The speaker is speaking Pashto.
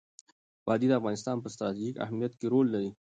وادي د افغانستان په ستراتیژیک اهمیت کې رول لري.